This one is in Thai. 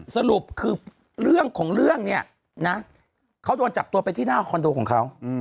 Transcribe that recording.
สรุปคือเรื่องของเรื่องเนี่ยนะเขาโดนจับตัวไปที่หน้าคอนโดของเขา